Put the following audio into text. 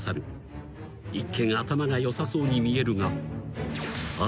［一見頭が良さそうに見えるが］